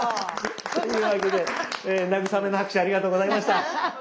というわけで慰めの拍手ありがとうございました。